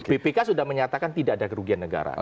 bpk sudah menyatakan tidak ada kerugian negara